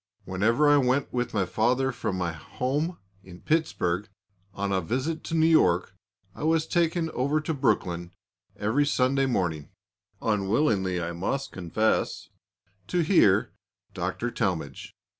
Whenever I went with my father from my home in Pittsburg on a visit to New York, I was taken over to Brooklyn every Sunday morning, unwillingly I must confess, to hear Dr. Talmage.